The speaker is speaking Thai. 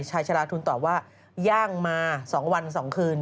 ชาลาทุนตอบว่าย่างมา๒วัน๒คืน